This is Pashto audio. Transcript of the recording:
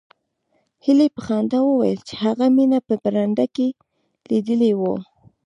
هیلې په خندا وویل چې هغه مینه په برنډه کې لیدلې وه